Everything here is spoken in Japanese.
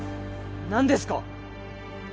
何ですか！？